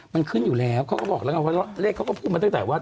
มันขึ้นอยู่แล้วเขาก็บอกแล้วไงว่าเลขเขาก็พูดมาตั้งแต่ว่า